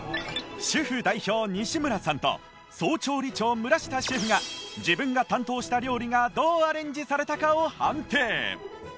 主婦代表西村さんと総調理長村下シェフが自分が担当した料理がどうアレンジされたかを判定